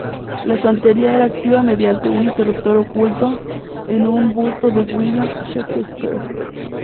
La estantería era activada mediante un interruptor oculto en un busto de William Shakespeare.